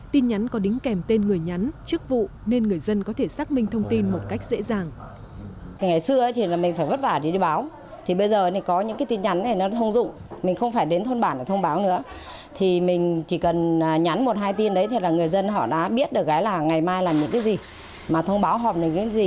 tin nhắn có đính kèm tên người nhắn chức vụ nên người dân có thể xác minh thông tin một cách dễ dàng